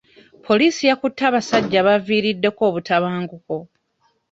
Poliisi yakutte abasajja abaaviiriddeko obutabanguko.